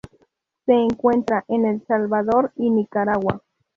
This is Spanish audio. Se encuentra en El Salvador y Nicaragua.